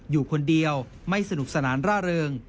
อยู่คนเดียวไม่สนุกสนานร่าเริง